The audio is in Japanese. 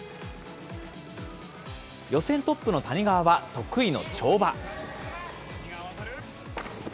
予選トップの谷川は、得意の跳馬。